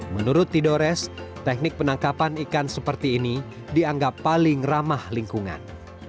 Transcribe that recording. menurut tidores teknik penangkapan ikan seperti ini dianggap paling ramah lingkungan